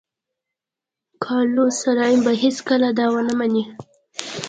کارلوس سلایم به هېڅکله دا ونه مني.